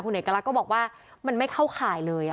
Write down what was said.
เอกลักษณ์ก็บอกว่ามันไม่เข้าข่ายเลย